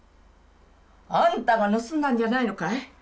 あんたが盗んだんじゃないのかい？